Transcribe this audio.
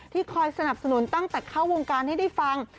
คอยสนับสนุนตั้งแต่เข้าวงการให้ได้ฟัง